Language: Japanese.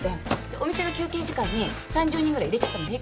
でお店の休憩時間に３０人ぐらい入れちゃっても平気？